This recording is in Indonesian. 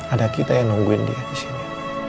ada kita yang nungguin dia disini